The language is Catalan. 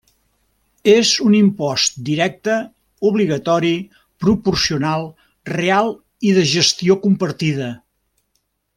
És un impost directe, obligatori, proporcional, real i de gestió compartida.